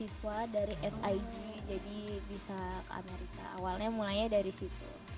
siswa dari fig jadi bisa ke amerika awalnya mulainya dari situ